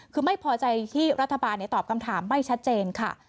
คือไม่พอใจที่รัฐบาลตอบคำถามไม่ชัดเจนค่ะ